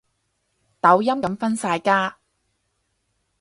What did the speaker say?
抖音噉分晒家